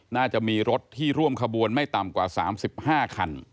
น่าจะมีรถที่ร่วมขบวนไม่ต่ำกว่า๓๕คัน